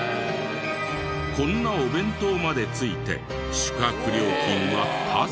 こんなお弁当まで付いて宿泊料金はタダ！